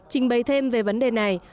trình bày thêm về vấn đề này